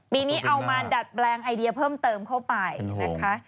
ปีนี้เอามาดัดแปลงไอเดียเพิ่มเติมเข้าไปนะคะ